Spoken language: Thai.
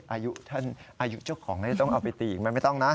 อายุเจ้าของต้องเอาไปตีอีกไหมไม่ต้องนะ